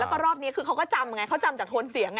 แล้วก็รอบนี้คือเขาก็จำไงเขาจำจากโทนเสียง